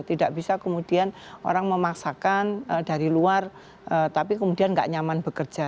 tidak bisa kemudian orang memaksakan dari luar tapi kemudian nggak nyaman bekerja